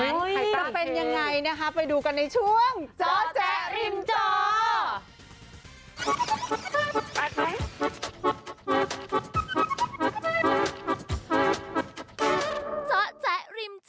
ใครต้องเทจะเป็นยังไงนะคะไปดูกันในช่วงจ๊อแจ๊ะริมจ๋อ